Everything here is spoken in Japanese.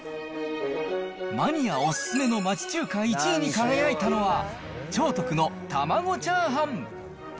マニアお勧めの町中華１位に輝いたのは、兆徳の玉子チャーハン。